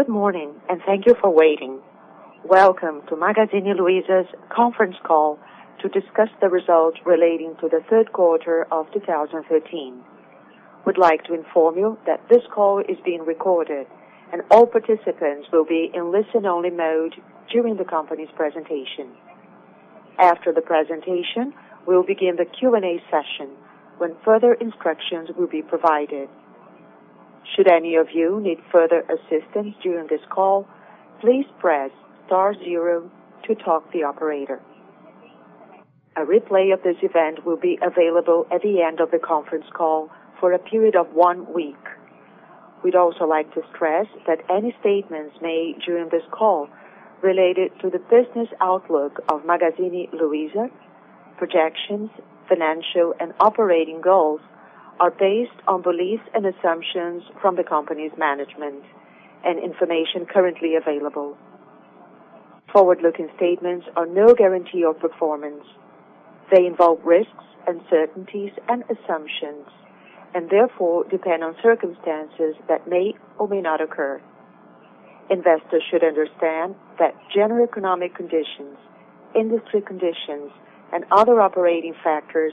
Good morning. Thank you for waiting. Welcome to Magazine Luiza's conference call to discuss the results relating to Q3 2013. We'd like to inform you that this call is being recorded, and all participants will be in listen-only mode during the company's presentation. After the presentation, we'll begin the Q&A session, when further instructions will be provided. Should any of you need further assistance during this call, please press star zero to talk to the operator. A replay of this event will be available at the end of the conference call for a period of one week. We'd also like to stress that any statements made during this call related to the business outlook of Magazine Luiza, projections, financial, and operating goals are based on beliefs and assumptions from the company's management and information currently available. Forward-looking statements are no guarantee of performance. They involve risks, uncertainties, and assumptions, and therefore depend on circumstances that may or may not occur. Investors should understand that general economic conditions, industry conditions, and other operating factors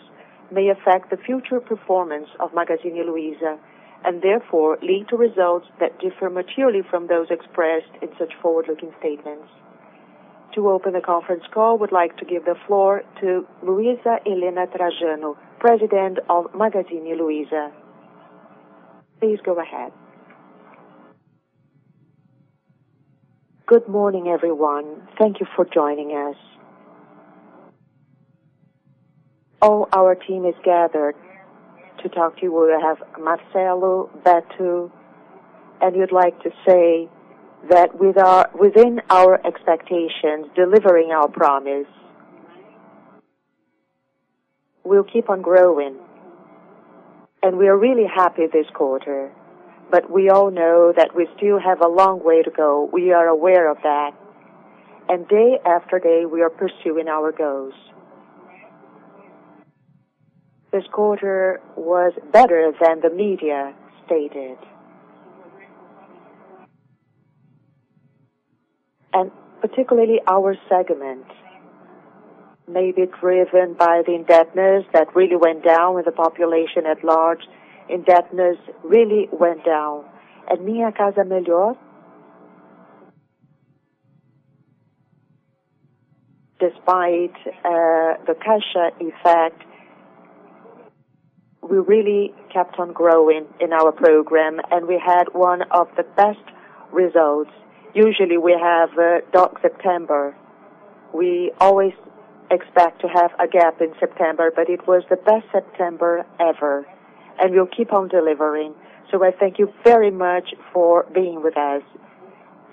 may affect the future performance of Magazine Luiza, and therefore lead to results that differ materially from those expressed in such forward-looking statements. To open the conference call, we'd like to give the floor to Luiza Helena Trajano, President of Magazine Luiza. Please go ahead. Good morning, everyone. Thank you for joining us. All our team is gathered to talk to you. We have Marcelo, Beto, and we'd like to say that within our expectations, delivering our promise. We'll keep on growing, and we are really happy this quarter. We all know that we still have a long way to go. We are aware of that, and day after day, we are pursuing our goals. This quarter was better than the media stated. Particularly our segment may be driven by the indebtedness that really went down with the population at large. Indebtedness really went down. Minha Casa Melhor, despite the cash effect, we really kept on growing in our program, and we had one of the best results. Usually, we have a dark September. We always expect to have a gap in September, but it was the best September ever, and we'll keep on delivering. I thank you very much for being with us.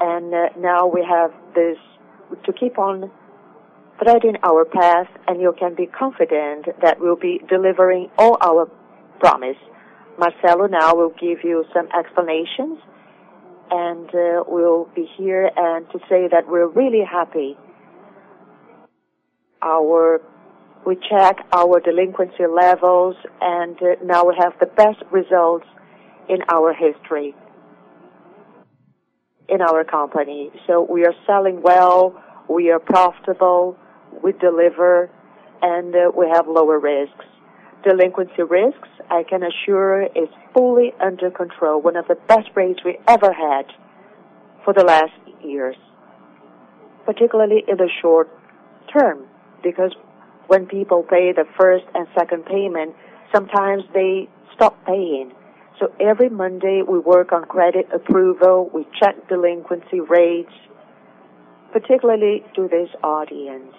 Now we have this to keep on threading our path, and you can be confident that we'll be delivering on our promise. Marcelo now will give you some explanations, and we'll be here and to say that we're really happy. We check our delinquency levels, and now we have the best results in our history, in our company. We are selling well, we are profitable, we deliver, and we have lower risks. Delinquency risks, I can assure, is fully under control. One of the best rates we ever had for the last years, particularly in the short term, because when people pay the first and second payment, sometimes they stop paying. Every Monday, we work on credit approval. We check delinquency rates, particularly to this audience.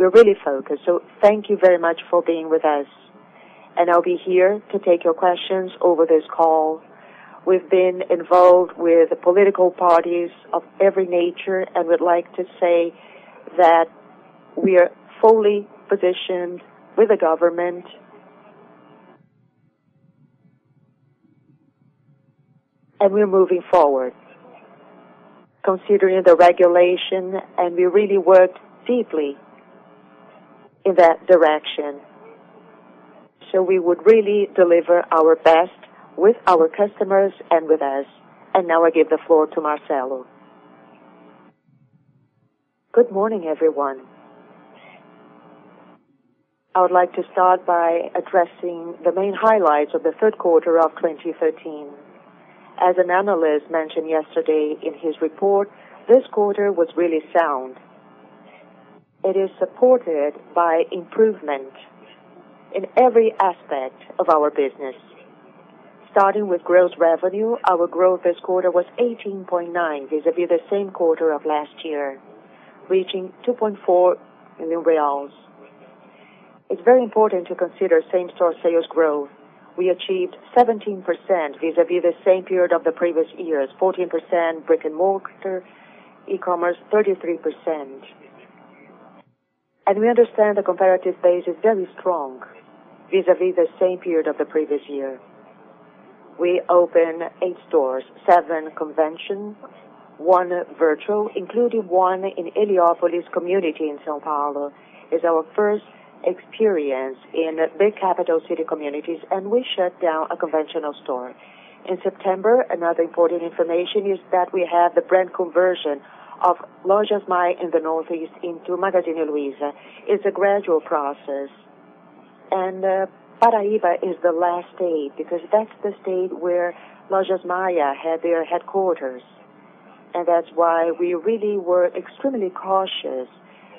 We're really focused. Thank you very much for being with us, and I'll be here to take your questions over this call. We've been involved with the political parties of every nature and would like to say that we are fully positioned with the government, and we're moving forward considering the regulation, and we really work deeply in that direction. We would really deliver our best with our customers and with us. Now I give the floor to Marcelo. Good morning, everyone. I would like to start by addressing the main highlights of the third quarter of 2013. As an analyst mentioned yesterday in his report, this quarter was really sound. It is supported by improvement in every aspect of our business. Starting with gross revenue, our growth this quarter was 18.9% vis-à-vis the same quarter of last year, reaching 2.4. It's very important to consider same-store sales growth. We achieved 17% vis-à-vis the same period of the previous years, 14% brick-and-mortar, e-commerce 33%. We understand the comparative base is very strong vis-à-vis the same period of the previous year. We opened eight stores, seven conventional, one virtual, including one in Heliópolis community in São Paulo. It's our first experience in big capital city communities, we shut down a conventional store. In September, another important information is that we have the brand conversion of Lojas Maia in the Northeast into Magazine Luiza. It's a gradual process. Paraíba is the last state, because that's the state where Lojas Maia had their headquarters. That's why we really were extremely cautious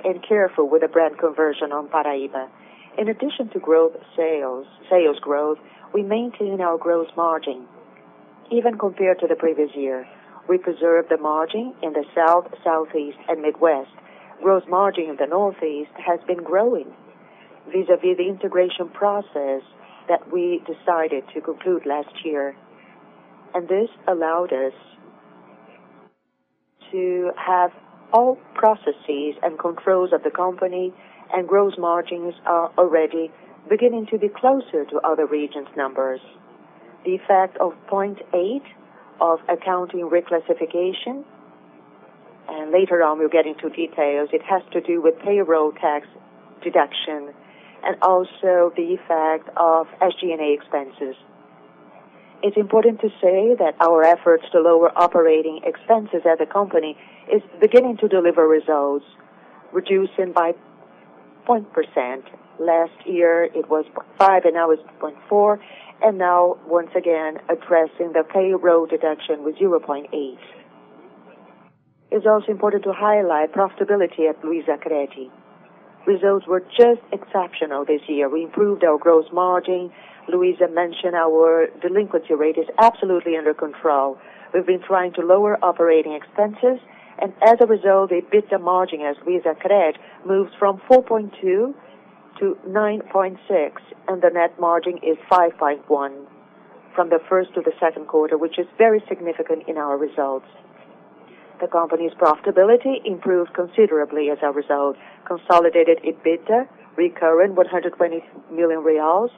and careful with the brand conversion on Paraíba. In addition to sales growth, we maintain our gross margin, even compared to the previous year. We preserved the margin in the South, Southeast, and Midwest. Gross margin in the Northeast has been growing vis-à-vis the integration process that we decided to conclude last year. This allowed us to have all processes and controls of the company, and gross margins are already beginning to be closer to other regions' numbers. The effect of 0.8% of accounting reclassification. Later on, we'll get into details. It has to do with payroll tax deduction and also the effect of SG&A expenses. It's important to say that our efforts to lower operating expenses as a company is beginning to deliver results, reducing by point percent. Last year, it was 0.5%, and now it's 0.4%. Now, once again, addressing the payroll deduction with 0.8%. It's also important to highlight profitability at Luizacred. Results were just exceptional this year. We improved our gross margin. Luiza mentioned our delinquency rate is absolutely under control. We've been trying to lower operating expenses, as a result, EBITDA margin as Luizacred, moves from 4.2% to 9.6%, and the net margin is 5.1% from the first to the second quarter, which is very significant in our results. The company's profitability improved considerably as a result. Consolidated EBITDA, recurrent 122 million reais,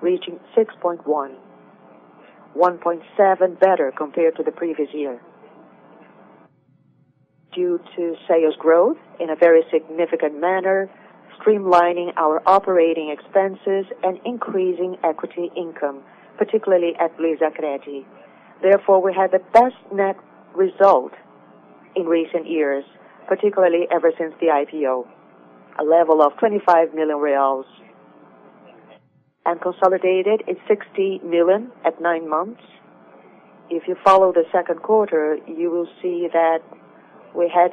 reaching 6.1%. 1.7 better compared to the previous year. Due to sales growth in a very significant manner, streamlining our operating expenses, increasing equity income, particularly at Luizacred. Therefore, we had the best net result in recent years, particularly ever since the IPO. A level of 25 million reais. Consolidated, it's 60 million at nine months. If you follow the second quarter, you will see that we had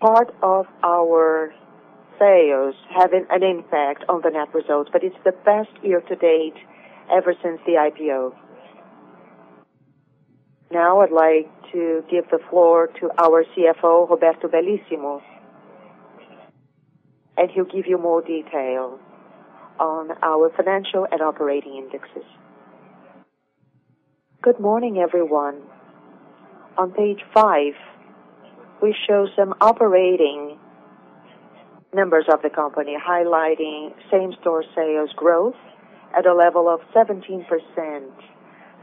part of our sales having an impact on the net results, but it's the best year to date ever since the IPO. Now, I'd like to give the floor to our CFO, Roberto Bellissimo, and he'll give you more detail on our financial and operating indexes. Good morning, everyone. On page five, we show some operating numbers of the company, highlighting same-store sales growth at a level of 17%.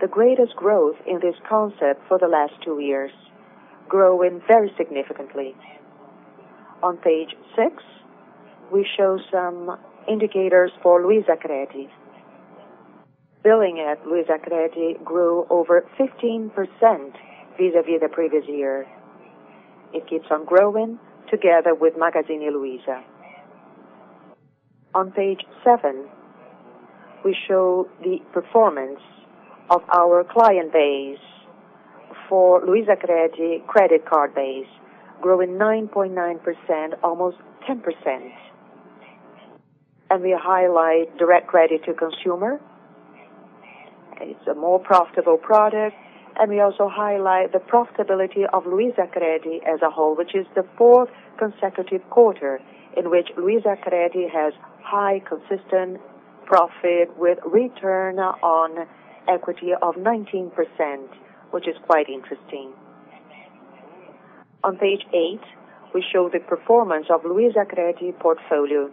The greatest growth in this concept for the last two years, growing very significantly. On page six, we show some indicators for Luizacred. Billing at Luizacred grew over 15% vis-à-vis the previous year. It keeps on growing together with Magazine Luiza. On page seven, we show the performance of our client base for Luizacred credit card base, growing 9.9%, almost 10%. We highlight direct credit to consumer. It is a more profitable product. We also highlight the profitability of Luizacred as a whole, which is the fourth consecutive quarter in which Luizacred has high, consistent profit with return on equity of 19%, which is quite interesting. On page eight, we show the performance of Luizacred portfolio,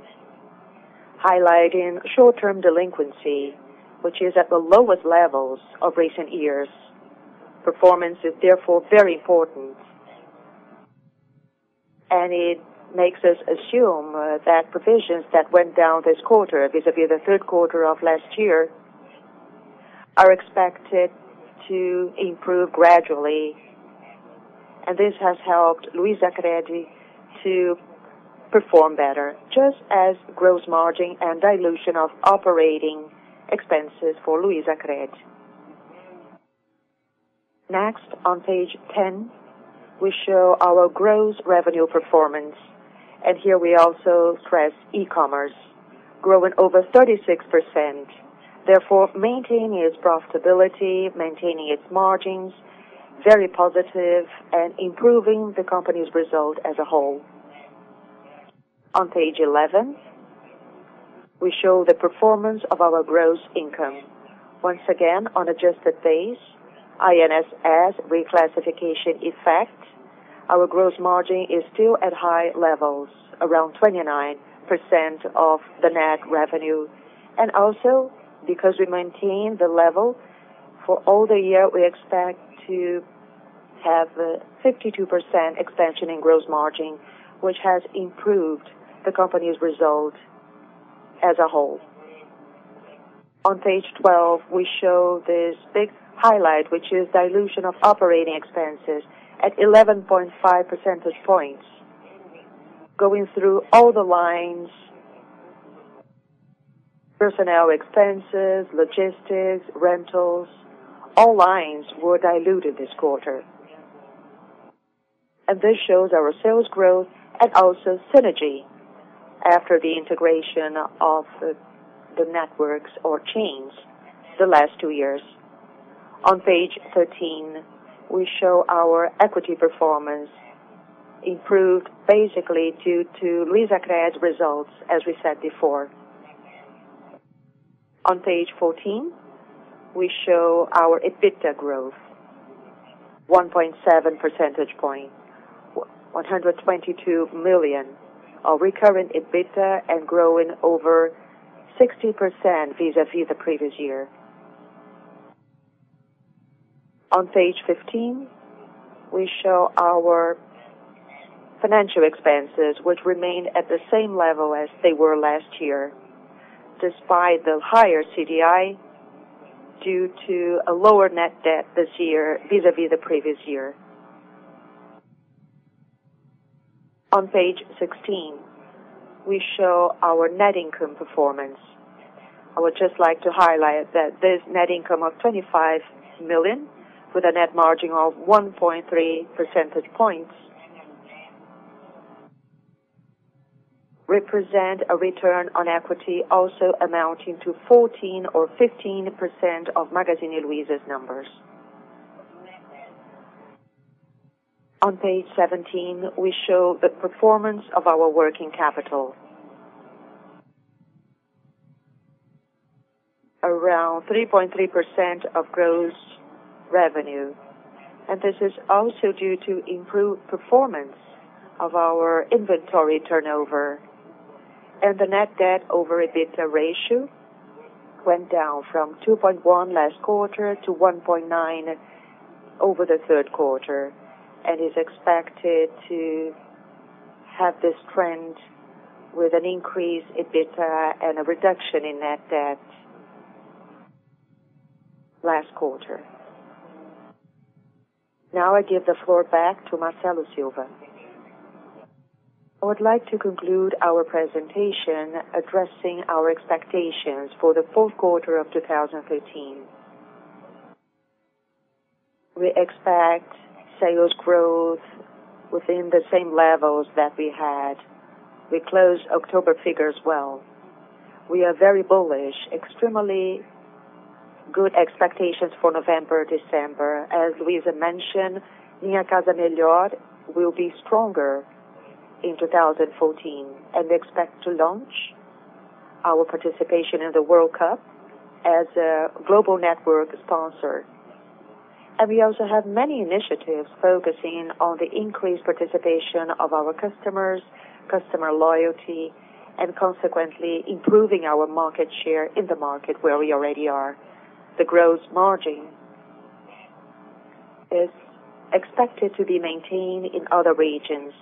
highlighting short-term delinquency, which is at the lowest levels of recent years. Performance is therefore very important. It makes us assume that provisions that went down this quarter, vis-à-vis the third quarter of last year, are expected to improve gradually. This has helped Luizacred to perform better, just as gross margin and dilution of operating expenses for Luizacred. Next, on page 10, we show our gross revenue performance. Here we also stress e-commerce, growing over 36%. Therefore, maintaining its profitability, maintaining its margins, very positive, and improving the company's result as a whole. On page 11, we show the performance of our gross income. Once again, on adjusted base, INSS reclassification effect, our gross margin is still at high levels, around 29% of the net revenue. Also, because we maintain the level for all the year, we expect to have a 52% expansion in gross margin, which has improved the company's result as a whole. On page 12, we show this big highlight, which is dilution of operating expenses at 11.5 percentage points. Going through all the lines, personnel expenses, logistics, rentals, all lines were diluted this quarter. This shows our sales growth and also synergy after the integration of the networks or chains the last two years. On page 13, we show our equity performance improved basically due to Luizacred results, as we said before. On page 14, we show our EBITDA growth, 1.7 percentage point, 122 million of recurrent EBITDA and growing over 60% vis-à-vis the previous year. On page 15, we show our financial expenses, which remain at the same level as they were last year, despite the higher CDI, due to a lower net debt this year vis-à-vis the previous year. On page 16, we show our net income performance. I would just like to highlight that this net income of 25 million, with a net margin of 1.3 percentage points, represent a return on equity also amounting to 14% or 15% of Magazine Luiza's numbers. On page 17, we show the performance of our working capital. Around 3.3% of gross revenue. This is also due to improved performance of our inventory turnover. The net debt over EBITDA ratio went down from 2.1 last quarter to 1.9 over the third quarter, and is expected to have this trend with an increase EBITDA and a reduction in net debt last quarter. Now I give the floor back to Marcelo Silva. I would like to conclude our presentation addressing our expectations for the fourth quarter of 2013. We expect sales growth within the same levels that we had. We closed October figures well. We are very bullish, extremely good expectations for November, December. As Luiza mentioned, Minha Casa Melhor will be stronger in 2014, and we expect to launch our participation in the World Cup as a global network sponsor. We also have many initiatives focusing on the increased participation of our customers, customer loyalty, and consequently improving our market share in the market where we already are. The gross margin is expected to be maintained in other regions,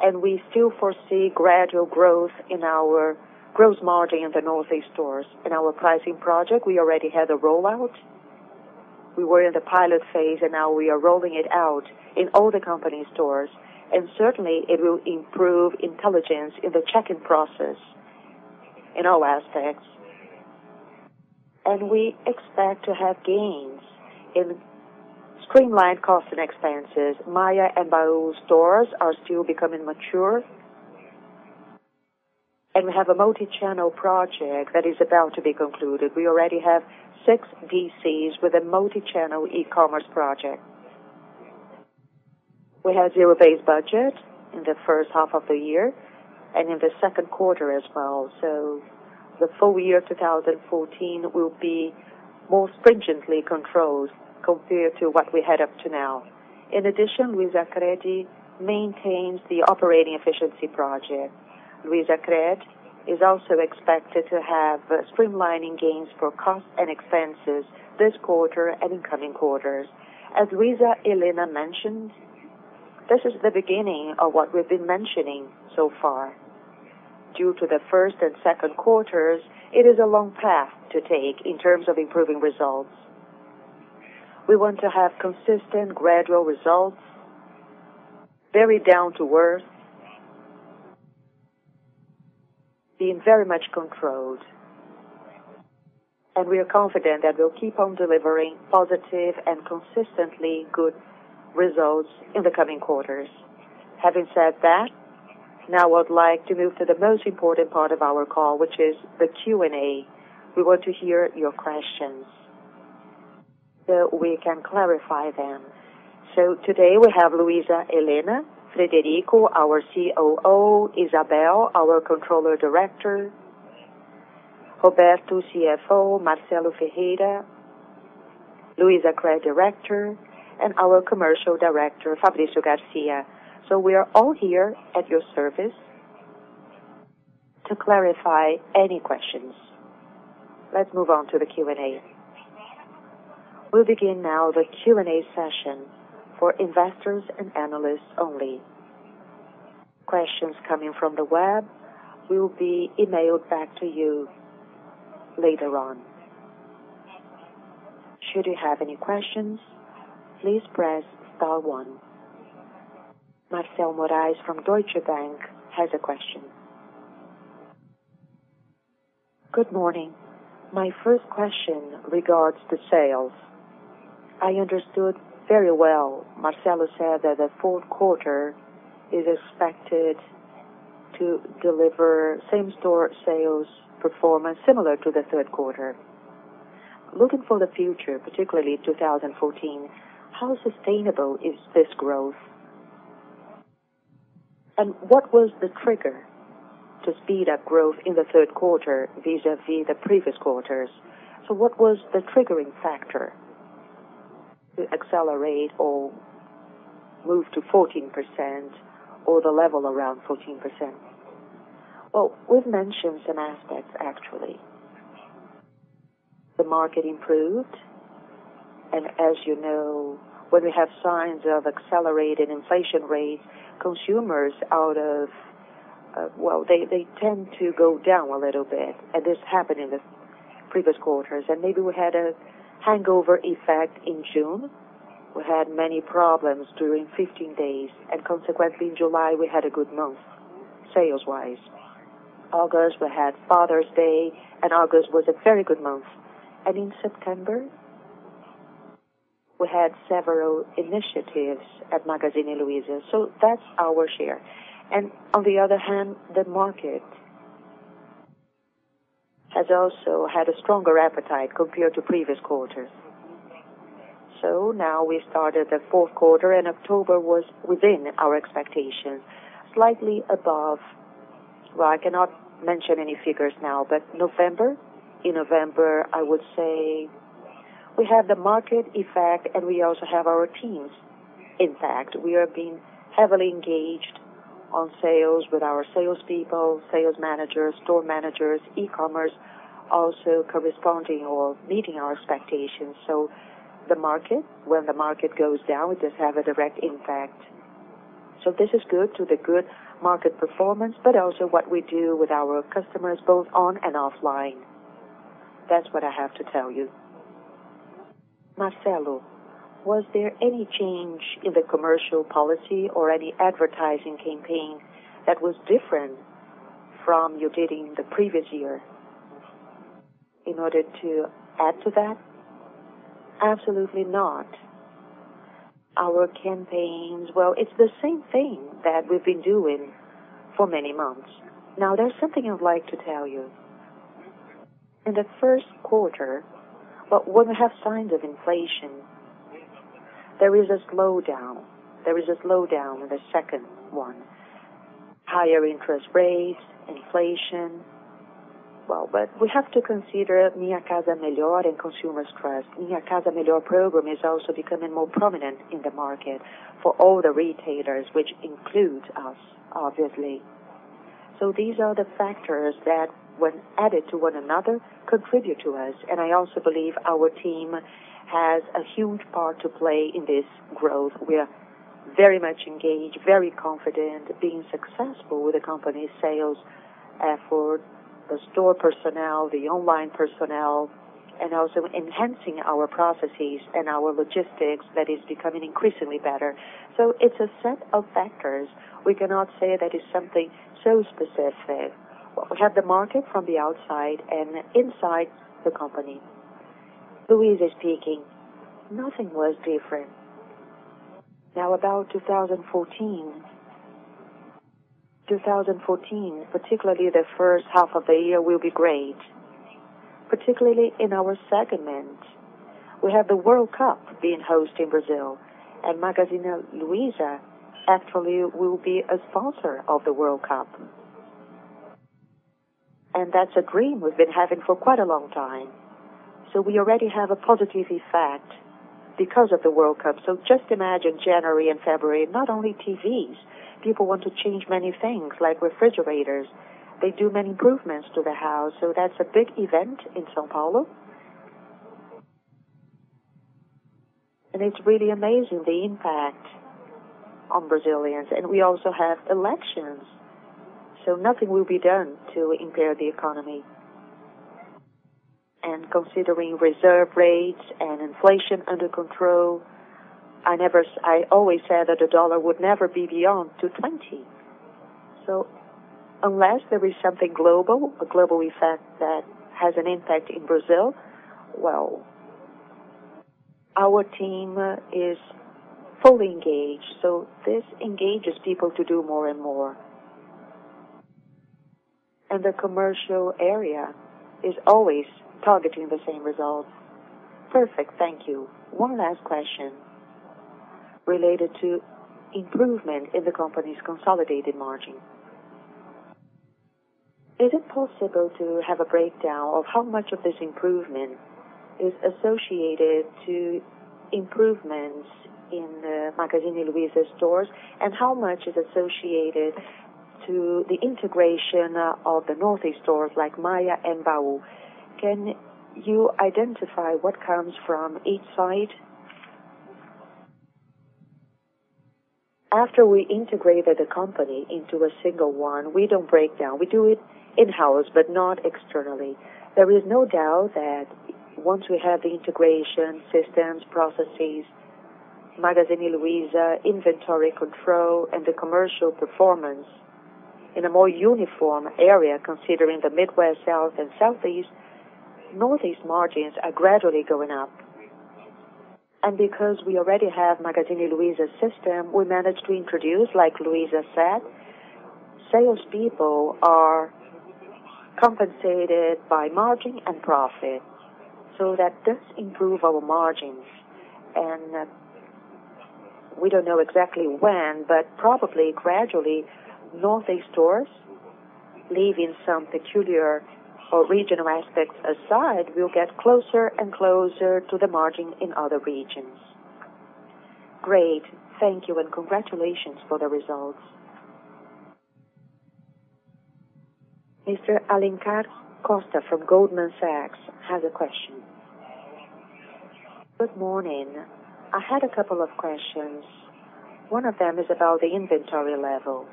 and we still foresee gradual growth in our gross margin in the Northeast stores. In our pricing project, we already had a rollout. We were in the pilot phase, and now we are rolling it out in all the company stores. Certainly, it will improve intelligence in the checking process in all aspects. We expect to have gains in streamlined cost and expenses. Maia and Baú stores are still becoming mature. We have a multi-channel project that is about to be concluded. We already have 6 DCs with a multi-channel e-commerce project. We had zero-based budget in the first half of the year and in the second quarter as well. The full year 2014 will be more stringently controlled compared to what we had up to now. In addition, Luizacred maintains the operating efficiency project. Luizacred is also expected to have streamlining gains for cost and expenses this quarter and in coming quarters. As Luiza Helena mentioned, this is the beginning of what we've been mentioning so far. Due to the first and second quarters, it is a long path to take in terms of improving results. We want to have consistent, gradual results, very down to earth, being very much controlled. We are confident that we'll keep on delivering positive and consistently good results in the coming quarters. Having said that, now I would like to move to the most important part of our call, which is the Q&A. We want to hear your questions so we can clarify them. Today, we have Luiza Helena, Frederico, our COO, Isabel, our Controller Director, Roberto, CFO, Marcelo Ferreira, Luizacred director, and our commercial director, Fabrício Garcia. We are all here at your service to clarify any questions. Let's move on to the Q&A. We'll begin now the Q&A session for investors and analysts only. Questions coming from the web will be emailed back to you later on. Should you have any questions, please press star one. Marcel Moraesfrom Deutsche Bank has a question. Good morning. My first question regards to sales. I understood very well, Marcelo said that the fourth quarter is expected to deliver same-store sales performance similar to the third quarter. Looking for the future, particularly 2014, how sustainable is this growth? What was the trigger to speed up growth in the third quarter vis-à-vis the previous quarters? What was the triggering factor to accelerate or move to 14% or the level around 14%? Well, we've mentioned some aspects, actually. The market improved, and as you know, when we have signs of accelerated inflation rates, consumers, they tend to go down a little bit. This happened in the previous quarters. Maybe we had a hangover effect in June. Consequently, in July, we had a good month sales-wise. August, we had Father's Day, and August was a very good month. In September, we had several initiatives at Magazine Luiza. That's our share. On the other hand, the market has also had a stronger appetite compared to previous quarters. Now we started the fourth quarter, and October was within our expectations, slightly above. Well, I cannot mention any figures now. November, in November, I would say we have the market effect, and we also have our teams impact. We have been heavily engaged on sales with our salespeople, sales managers, store managers. E-commerce also corresponding or meeting our expectations. The market, when the market goes down, it does have a direct impact. This is good to the good market performance, but also what we do with our customers, both on and offline. That's what I have to tell you. Marcelo, was there any change in the commercial policy or any advertising campaign that was different from you did in the previous year in order to add to that? Absolutely not. Our campaigns, well, it's the same thing that we've been doing for many months. Now, there's something I'd like to tell you. In the first quarter, when we have signs of inflation, there is a slowdown. There is a slowdown in the second one. Higher interest rates, inflation. Well, we have to consider Minha Casa Melhor and consumers trust. Minha Casa Melhor program is also becoming more prominent in the market for all the retailers, which includes us, obviously. These are the factors that, when added to one another, contribute to us. I also believe our team has a huge part to play in this growth. We are very much engaged, very confident, being successful with the company's sales effort, the store personnel, the online personnel, and also enhancing our processes and our logistics that is becoming increasingly better. It's a set of factors. We cannot say that it's something so specific. We have the market from the outside and inside the company. Luiza speaking. Nothing was different. About 2014. 2014, particularly the first half of the year, will be great, particularly in our segment. We have the World Cup being hosted in Brazil, and Magazine Luiza actually will be a sponsor of the World Cup. That's a dream we've been having for quite a long time. We already have a positive effect because of the World Cup. Just imagine January and February, not only TVs. People want to change many things, like refrigerators. They do many improvements to the house. That's a big event in São Paulo. It's really amazing the impact on Brazilians. We also have elections. Nothing will be done to impair the economy. Considering reserve rates and inflation under control, I always said that the BRL would never be beyond 2.20. Unless there is something global, a global effect that has an impact in Brazil, well, our team is fully engaged. This engages people to do more and more. The commercial area is always targeting the same results. Perfect. Thank you. One last question related to improvement in the company's consolidated margin. Is it possible to have a breakdown of how much of this improvement is associated to improvements in the Magazine Luiza stores, and how much is associated to the integration of the Northeast stores like Maia and Baú. Can you identify what comes from each side? After we integrated the company into a single one, we don't break down. We do it in-house, but not externally. There is no doubt that once we have the integration systems, processes, Magazine Luiza inventory control, and the commercial performance in a more uniform area, considering the Midwest, South, and Southeast, Northeast margins are gradually going up. Because we already have Magazine Luiza system, we managed to introduce, like Luiza said, salespeople are compensated by margin and profit. That does improve our margins, and we don't know exactly when, but probably gradually, Northeast stores, leaving some peculiar regional aspects aside, will get closer and closer to the margin in other regions. Great. Thank you, and congratulations for the results. Mr. Alencar Costa from Goldman Sachs has a question. Good morning. I had a couple of questions. One of them is about the inventory level.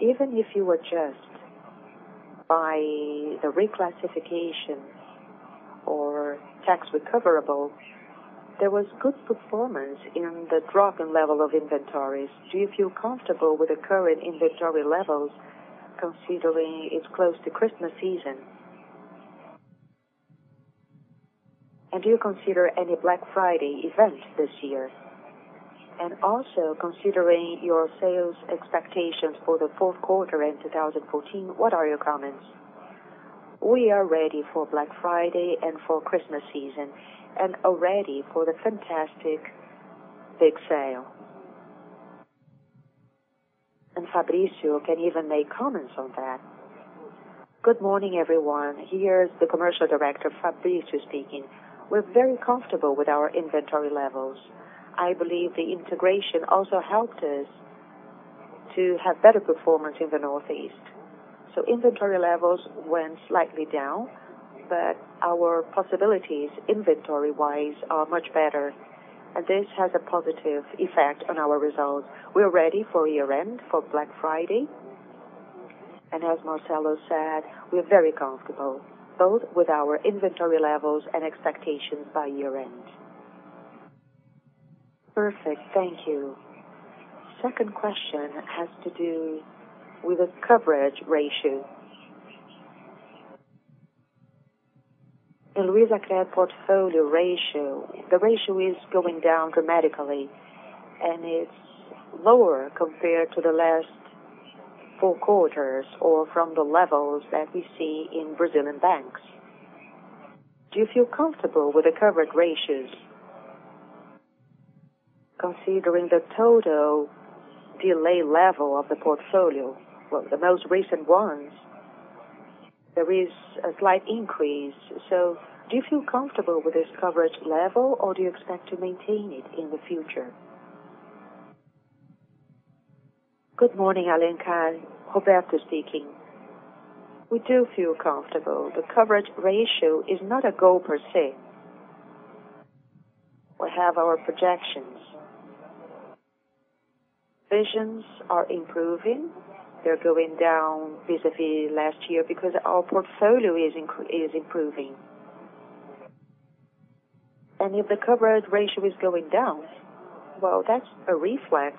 Even if you adjust by the reclassification or tax recoverable, there was good performance in the drop in level of inventories. Do you feel comfortable with the current inventory levels considering it's close to Christmas season? Do you consider any Black Friday event this year? Also considering your sales expectations for the fourth quarter in 2014, what are your comments? We are ready for Black Friday and for Christmas season, and are ready for the fantastic big sale. Fabrício can even make comments on that. Good morning, everyone. Here is the commercial director, Fabrício, speaking. We're very comfortable with our inventory levels. I believe the integration also helped us to have better performance in the Northeast. Inventory levels went slightly down, but our possibilities inventory-wise are much better, and this has a positive effect on our results. We are ready for year-end, for Black Friday, and as Marcelo said, we are very comfortable, both with our inventory levels and expectations by year-end. Perfect. Thank you. Second question has to do with the coverage ratio. The Luizacred portfolio ratio. The ratio is going down dramatically, and it's lower compared to the last four quarters or from the levels that we see in Brazilian banks. Do you feel comfortable with the coverage ratios considering the total delay level of the portfolio? Well, the most recent ones, there is a slight increase. Do you feel comfortable with this coverage level, or do you expect to maintain it in the future? Good morning, Alencar. Roberto speaking. We do feel comfortable. The coverage ratio is not a goal per se. We have our projections. Provisions are improving. They're going down vis-à-vis last year because our portfolio is improving. If the coverage ratio is going down, well, that's a reflex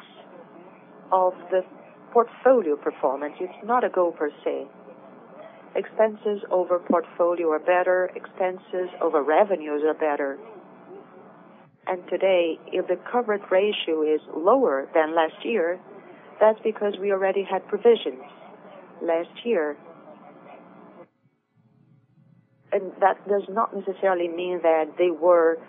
of the portfolio performance. It's not a goal per se. Expenses over portfolio are better. Expenses over revenues are better. Today, if the coverage ratio is lower than last year, that's because we already had provisions last year. That does not necessarily mean that they were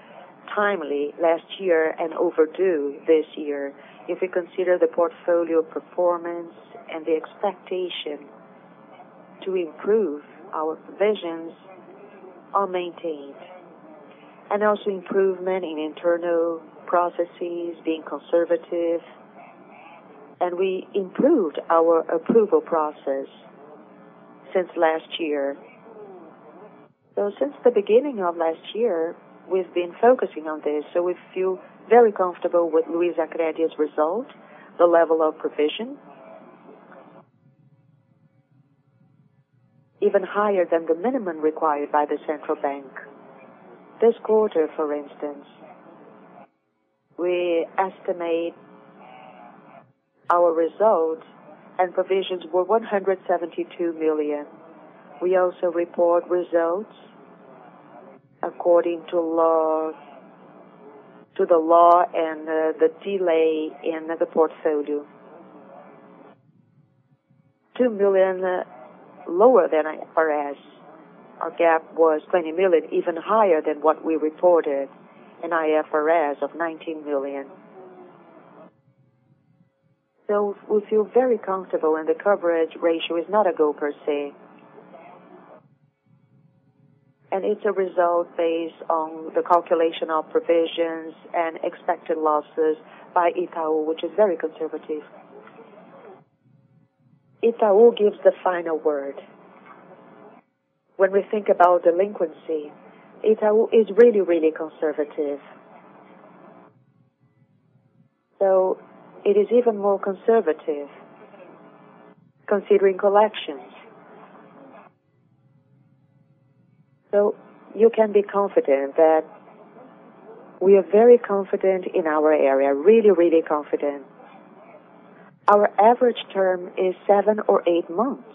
timely last year and overdue this year. If you consider the portfolio performance and the expectation to improve, our provisions are maintained. Also improvement in internal processes, being conservative, and we improved our approval process since last year. Since the beginning of last year, we've been focusing on this, so we feel very comfortable with Luizacred's result, the level of provision. Even higher than the minimum required by the central bank. This quarter, for instance, we estimate our results, and provisions were 172 million. We also report results according to the law and the delay in the portfolio, 2 million lower than IFRS. Our gap was 20 million, even higher than what we reported in IFRS of 19 million. We feel very comfortable, and the coverage ratio is not a goal per se. It's a result based on the calculation of provisions and expected losses by Itaú, which is very conservative. Itaú gives the final word. When we think about delinquency, Itaú is really conservative. It is even more conservative considering collections. You can be confident that we are very confident in our area, really confident. Our average term is seven or eight months,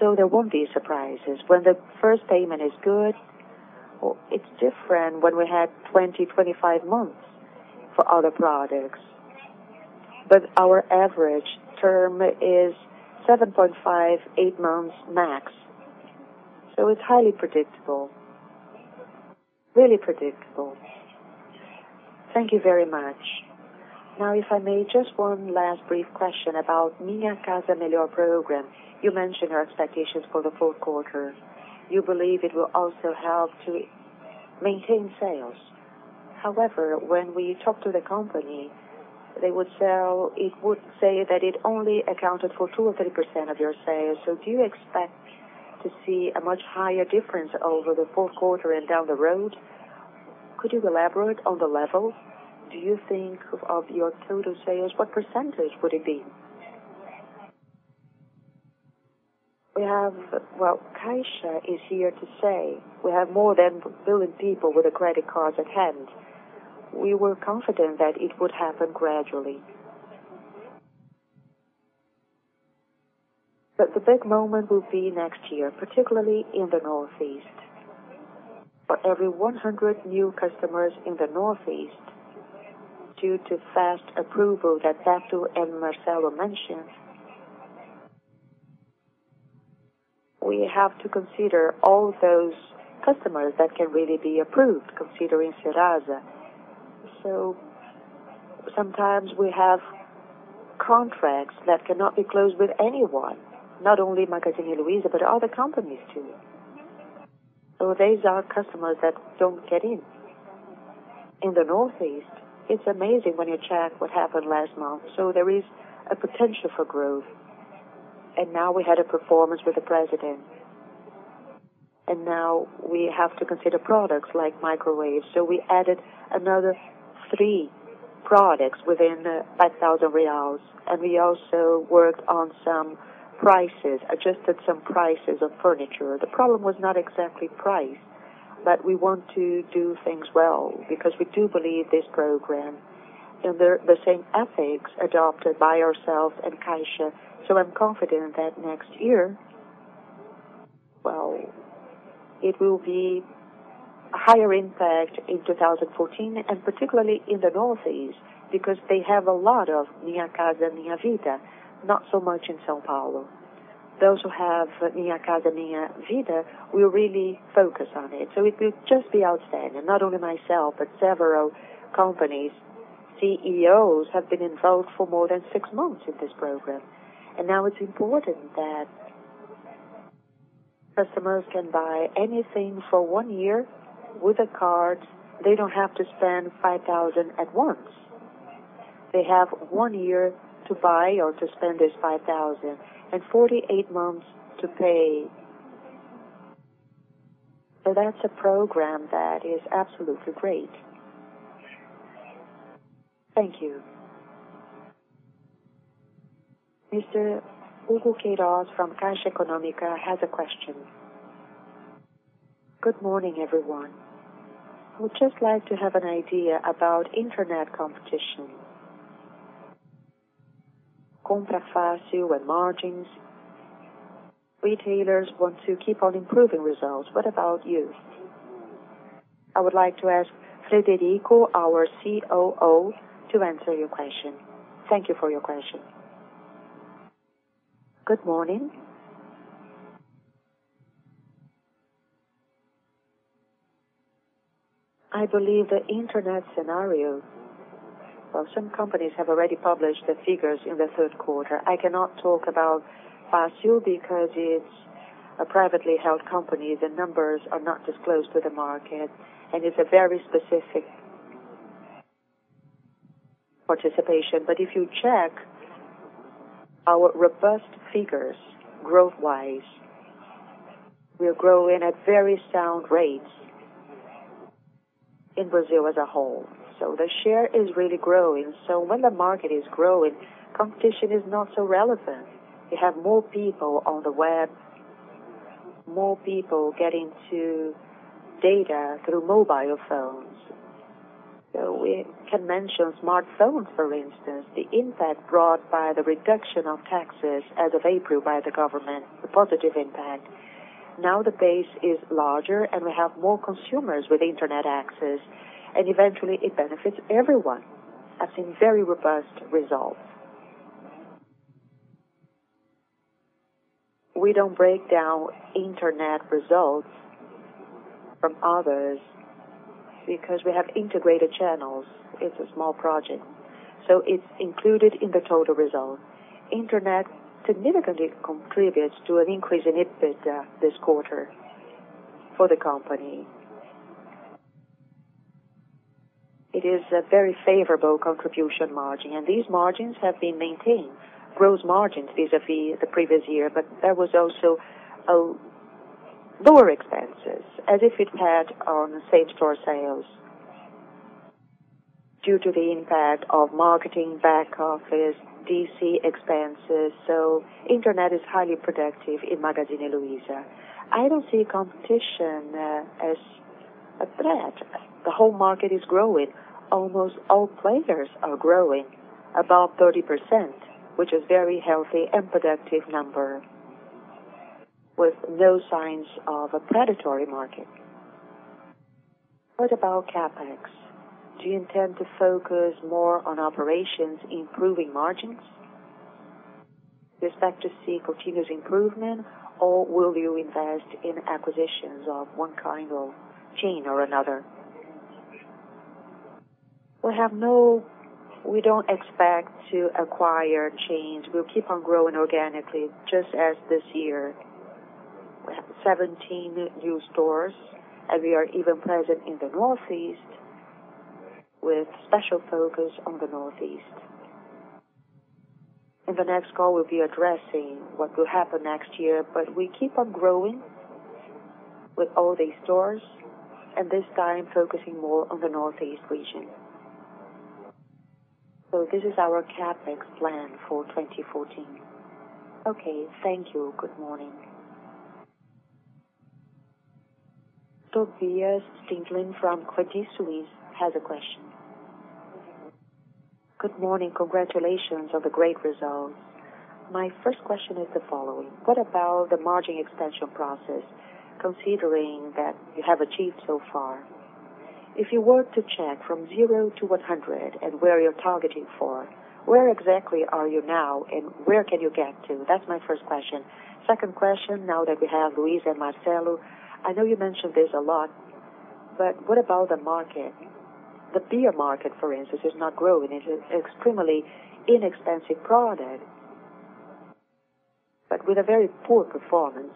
so there won't be surprises. When the first payment is good. It's different when we had 20, 25 months for other products. But our average term is 7.5, eight months max. It's highly predictable. Really predictable. Thank you very much. Now, if I may, just one last brief question about Minha Casa Melhor Program. You mentioned your expectations for the fourth quarter. You believe it will also help to maintain sales. However, when we talk to the company, it would say that it only accounted for 2% or 3% of your sales. Do you expect to see a much higher difference over the fourth quarter and down the road? Could you elaborate on the level? Do you think of your total sales, what percentage would it be? We have. Well, Caixa is here to say we have more than 1 billion people with credit cards at hand. We were confident that it would happen gradually. The big moment will be next year, particularly in the Northeast. For every 100 new customers in the Northeast, due to fast approval that (Roberto) and Marcelo mentioned, we have to consider all those customers that can really be approved considering Serasa. Sometimes we have contracts that cannot be closed with anyone, not only Magazine Luiza, but other companies too. These are customers that don't get in. In the Northeast, it's amazing when you check what happened last month. There is a potential for growth. Now we had a performance with the president. Now we have to consider products like microwaves. We added another three products within 5,000 reais, and we also worked on some prices, adjusted some prices on furniture. The problem was not exactly price, but we want to do things well because we do believe this program and the same ethics adopted by ourselves and Caixa. I'm confident that next year, well, it will be a higher impact in 2014, and particularly in the Northeast, because they have a lot of Minha Casa, Minha Vida, not so much in São Paulo. Those who have Minha Casa, Minha Vida will really focus on it. It will just be outstanding. Not only myself, but several companies' CEOs have been involved for more than six months in this program. Now it's important that customers can buy anything for one year with a card. They don't have to spend 5,000 at once. They have one year to buy or to spend this 5,000 and 48 months to pay. That's a program that is absolutely great. Thank you. Mr. Hugo Queiroz from Caixa Econômica has a question. Good morning, everyone. I would just like to have an idea about internet competition. Compra Fácil and margins. Retailers want to keep on improving results. What about you? I would like to ask Frederico, our COO, to answer your question. Thank you for your question. Good morning. I believe the internet scenario. Well, some companies have already published the figures in the third quarter. I cannot talk about Fácil because it's a privately held company. The numbers are not disclosed to the market, and it's a very specific participation. If you check our robust figures, growth-wise, we are growing at very sound rates in Brazil as a whole. The share is really growing. When the market is growing, competition is not so relevant. You have more people on the web, more people getting to data through mobile phones. We can mention smartphones, for instance, the impact brought by the reduction of taxes as of April by the government, the positive impact. The base is larger. We have more consumers with internet access, and eventually it benefits everyone. I've seen very robust results. We don't break down internet results from others because we have integrated channels. It's a small project. It's included in the total result. Internet significantly contributes to an increase in EBITDA this quarter for the company. It is a very favorable contribution margin, and these margins have been maintained. Gross margins vis-a-vis the previous year. There was also lower expenses as if it had on same-store sales. Due to the impact of marketing back office, DC expenses, internet is highly productive in Magazine Luiza. I don't see competition as a threat. The whole market is growing. Almost all players are growing above 30%, which is very healthy and productive number, with no signs of a predatory market. What about CapEx? Do you intend to focus more on operations, improving margins? Do you expect to see continuous improvement, or will you invest in acquisitions of one kind of chain or another? We don't expect to acquire chains. We'll keep on growing organically, just as this year. We have 17 new stores, and we are even present in the Northeast, with special focus on the Northeast. In the next call, we'll be addressing what will happen next year. We keep on growing with all these stores, and this time focusing more on the Northeast region. This is our CapEx plan for 2014. Okay. Thank you. Good morning. Tobias Stingelin from Credit Suisse has a question. Good morning. Congratulations on the great results. My first question is the following: What about the margin expansion process, considering that you have achieved so far? You were to check from 0 to 100 at where you're targeting for, where exactly are you now, and where can you get to? That's my first question. Second question. Now that we have Luiza and Marcelo, I know you mentioned this a lot. What about the market? The beer market, for instance, is not growing. It's extremely inexpensive product, but with a very poor performance.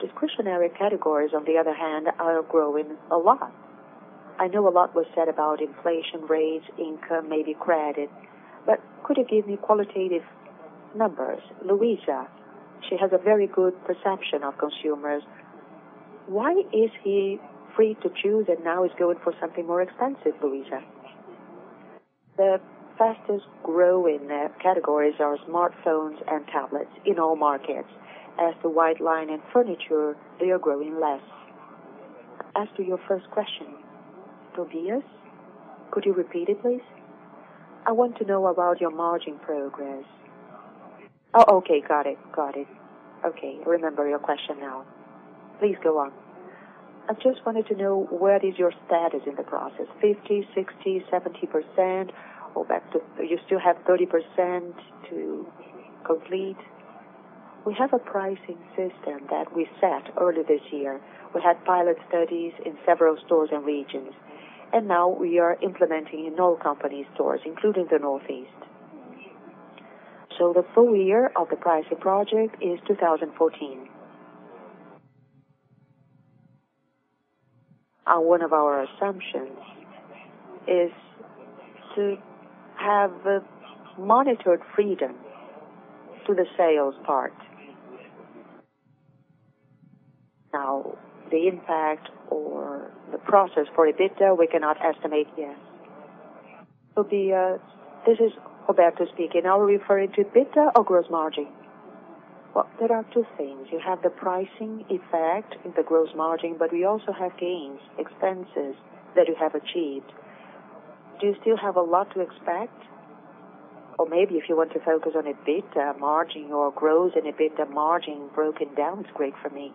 Discretionary categories, on the other hand, are growing a lot. I know a lot was said about inflation rates, income, maybe credit. Could you give me qualitative numbers? Luiza, she has a very good perception of consumers. Why is he free to choose and now is going for something more expensive, Luiza? The fastest-growing categories are smartphones and tablets in all markets. As to white line and furniture, they are growing less. As to your first question, Tobias, could you repeat it, please? I want to know about your margin progress. Oh, okay. Got it. Okay. I remember your question now. Please go on. I just wanted to know what is your status in the process, 50%, 60%, 70%, or you still have 30% to complete? We have a pricing system that we set early this year. We had pilot studies in several stores and regions, and now we are implementing in all company stores, including the Northeast. So the full year of the pricing project is 2014. One of our assumptions is to have monitored freedom to the sales part. Now, the impact or the process for EBITDA, we cannot estimate yet. Tobias, this is Roberto speaking. Are we referring to EBITDA or gross margin? Well, there are two things. You have the pricing effect in the gross margin, but we also have gains, expenses that you have achieved. Do you still have a lot to expect? Or maybe if you want to focus on EBITDA margin or growth in EBITDA margin broken down is great for me.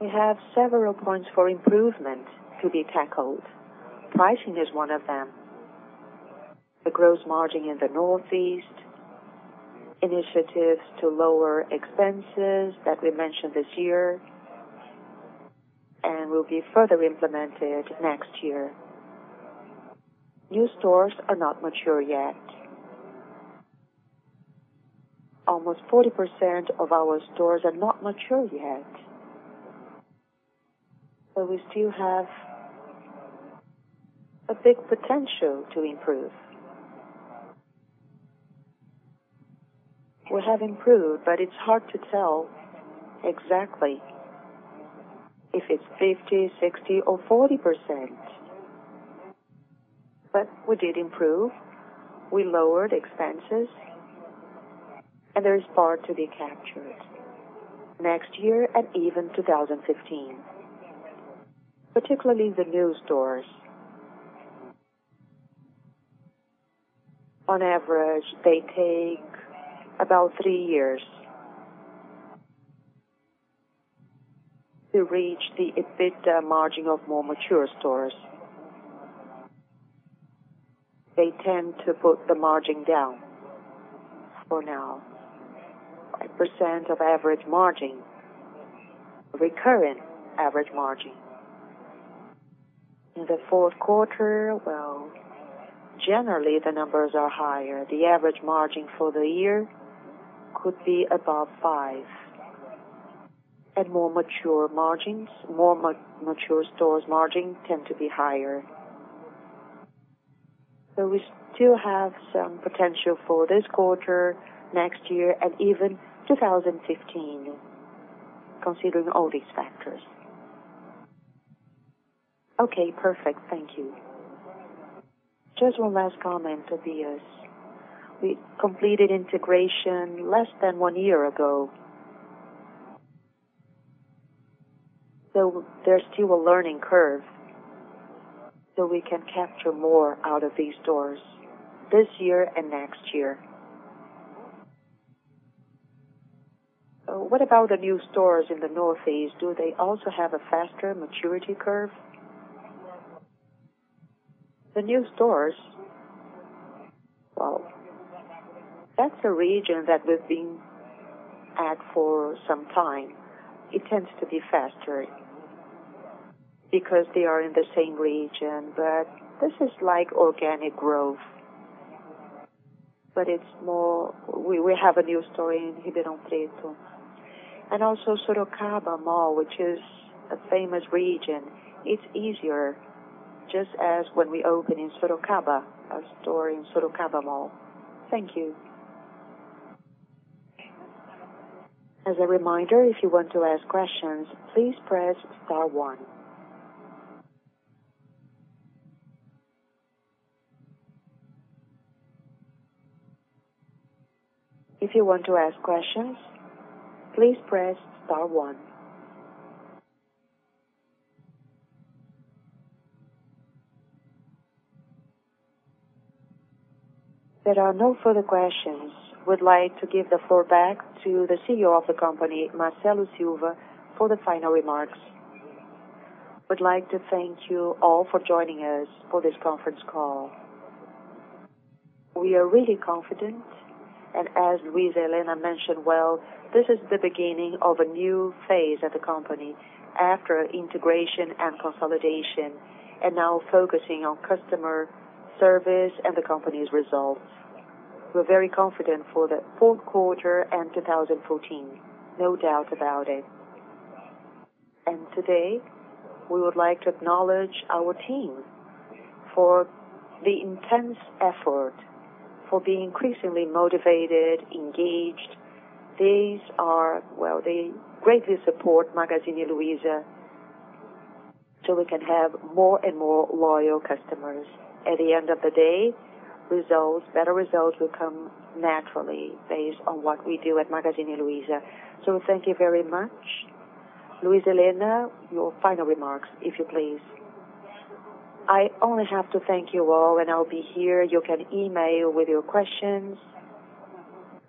We have several points for improvement to be tackled. Pricing is one of them. The gross margin in the Northeast. Initiatives to lower expenses that we mentioned this year, and will be further implemented next year. New stores are not mature yet. Almost 40% of our stores are not mature yet. We still have a big potential to improve. We have improved, but it's hard to tell exactly if it's 50%, 60%, or 40%. We did improve. We lowered expenses, and there is part to be captured next year and even 2015. Particularly the new stores. On average, they take about three years to reach the EBITDA margin of more mature stores. They tend to put the margin down for now. 5% of average margin, recurrent average margin. In the fourth quarter, well, generally, the numbers are higher. The average margin for the year could be above 5%. More mature margins, more mature stores' margin tend to be higher. We still have some potential for this quarter, next year, and even 2015, considering all these factors. Okay, perfect. Thank you. Just one last comment, Tobias. We completed integration less than one year ago. There's still a learning curve so we can capture more out of these stores this year and next year. What about the new stores in the Northeast? Do they also have a faster maturity curve? The new stores, well, that's a region that we've been at for some time. It tends to be faster because they are in the same region. This is like organic growth. We have a new store in Ribeirão Preto. Also Sorocaba Mall, which is a famous region. It's easier, just as when we open in Sorocaba, a store in Sorocaba Mall. Thank you. As a reminder, if you want to ask questions, please press star one. If you want to ask questions, please press star one. There are no further questions. Would like to give the floor back to the CEO of the company, Marcelo Silva, for the final remarks. Would like to thank you all for joining us for this conference call. We are really confident, and as Luiza Helena mentioned, well, this is the beginning of a new phase at the company after integration and consolidation, and now focusing on customer service and the company's results. We're very confident for the fourth quarter and 2014. No doubt about it. Today, we would like to acknowledge our team for the intense effort, for being increasingly motivated, engaged. These are, well, they greatly support Magazine Luiza so we can have more and more loyal customers. At the end of the day, better results will come naturally based on what we do at Magazine Luiza. Thank you very much. Luiza Helena, your final remarks, if you please. I only have to thank you all, and I'll be here. You can email with your questions.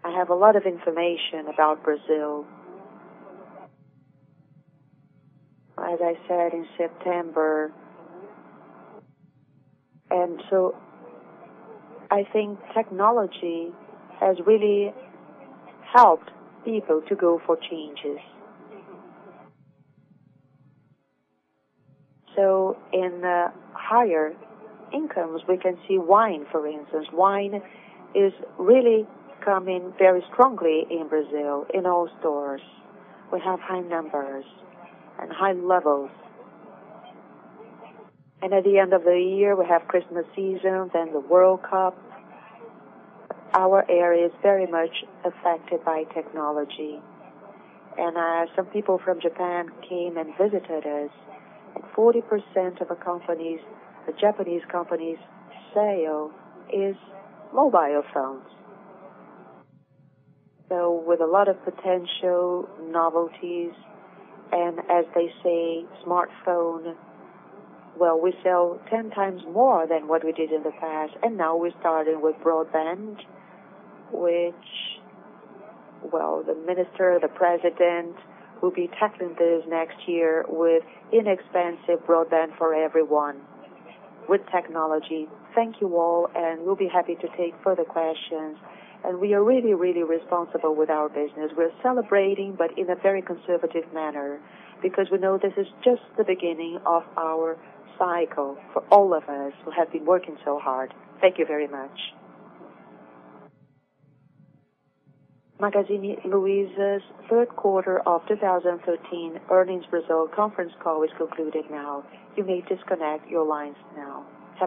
I have a lot of information about Brazil. As I said in September. I think technology has really helped people to go for changes. In higher incomes, we can see wine, for instance. Wine is really coming very strongly in Brazil, in all stores. We have high numbers and high levels. At the end of the year, we have Christmas season, then the World Cup. Our area is very much affected by technology. Some people from Japan came and visited us. 40% of a company's, a Japanese company's sale is mobile phones. With a lot of potential novelties, and as they say, smartphone. Well, we sell 10 times more than what we did in the past. Now we started with broadband, which, well, the minister, the president will be tackling this next year with inexpensive broadband for everyone with technology. Thank you all, and we'll be happy to take further questions. We are really, really responsible with our business. We're celebrating, but in a very conservative manner. We know this is just the beginning of our cycle for all of us who have been working so hard. Thank you very much. Magazine Luiza's third quarter of 2013 earnings result conference call is concluded now. You may disconnect your lines now.